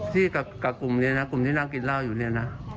ที่กับกลุ่มที่นั่งกินเหล้าอยู่เนี่ยนะ